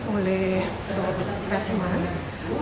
oleh pak jokowi